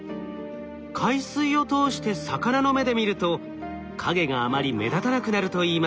海水を通して魚の目で見ると影があまり目立たなくなるといいます。